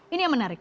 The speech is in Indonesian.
ini yang menarik